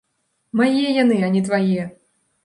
Мае яны, а не твае!